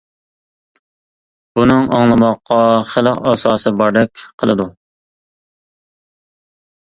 بۇنىڭ ئاڭلىماققا خېلى ئاساسى باردەك قىلىدۇ.